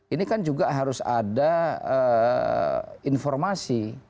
ini kan juga harus ada informasi